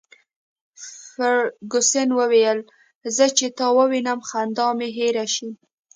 فرګوسن وویل: زه چي تا ووینم، خندا مي هېره شي.